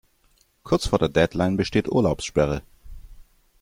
Kurz vor der Deadline besteht Urlaubssperre.